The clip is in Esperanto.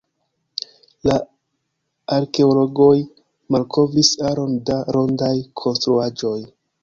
La arkeologoj malkovris aron da rondaj konstruaĵoj.